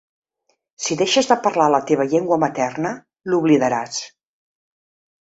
Si deixes de parlar la teva llengua materna, l'oblidaràs.